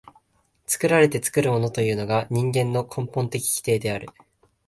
作られて作るものというのが人間の根本的規定である。